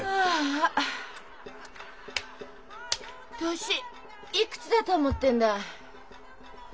年幾つだと思ってんだい？